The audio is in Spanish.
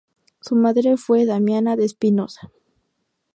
Su madre fue Damiana de Espinosa.